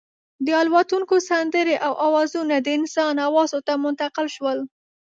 د الوتونکو سندرې او اوازونه د انسان حواسو ته منتقل شول.